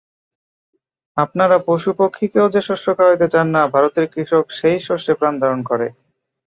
আপনারা পশু-পক্ষীকেও যে শস্য খাওয়াইতে চান না, ভারতের কৃষক সেই শস্যে প্রাণধারণ করে।